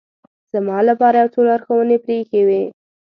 زما لپاره یو څو لارښوونې پرې اېښې وې.